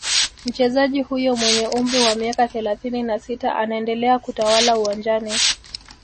Mchezaji huyo mwenye umri wa miaka thelathini na sita anaendelea kutawala uwanjani